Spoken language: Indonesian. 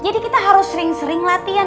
jadi kita harus sering sering latihan